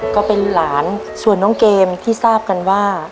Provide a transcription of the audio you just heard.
ก็เป็นหลานส่วนน้องเกมที่ทราบกันว่า